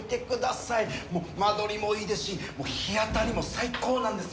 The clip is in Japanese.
間取りもいいですし日当たりも最高なんですよ。